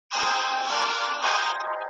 بار چې یوه انسان ترې کډه کړله